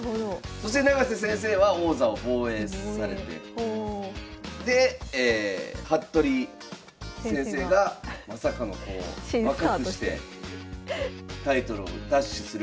そして永瀬先生は王座を防衛されてで服部先生がまさかの若くしてタイトルを奪取する。